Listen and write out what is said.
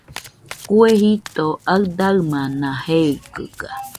Kue jito aɨdaɨmana jeikɨga